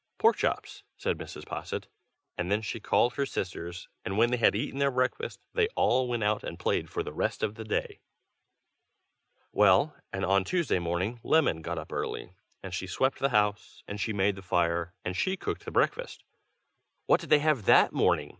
"Pork chops," said Mrs. Posset. "And then she called her sisters; and when they had eaten their breakfast, they all went out and played for the rest of the day. "Well, and on Tuesday morning Lemon got up early. And she swept the house, and she made the fire, and she cooked the breakfast " "What did they have that morning?"